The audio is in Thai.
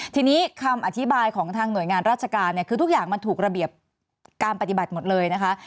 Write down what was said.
ทีนี้คำอธิบายของทางหน่วยงานราชการเนี่ยคือทุกอย่างมันถูกระเบียบการปฏิบัติหมดเลยนะคะ